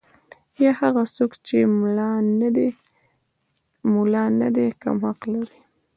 یا هغه څوک چې ملا نه دی کم حق لري.